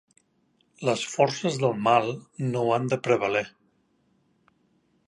Les forces del mal no han de prevaler.